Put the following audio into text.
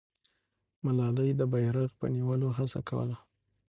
ملالۍ د بیرغ په نیولو هڅه کوله.